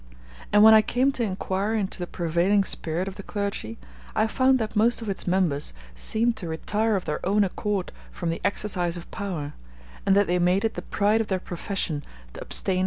And when I came to inquire into the prevailing spirit of the clergy I found that most of its members seemed to retire of their own accord from the exercise of power, and that they made it the pride of their profession to abstain from politics.